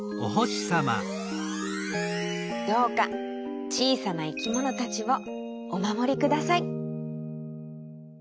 どうかちいさないきものたちをおまもりください。